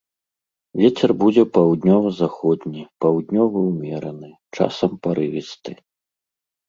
Вецер будзе паўднёва-заходні, паўднёвы ўмераны, часам парывісты.